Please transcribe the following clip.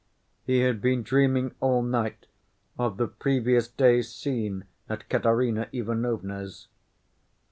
He had been dreaming all night of the previous day's scene at Katerina Ivanovna's.